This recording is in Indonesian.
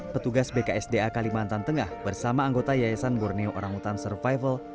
petugas bksda kalimantan tengah bersama anggota yayasan borneo orangutan survival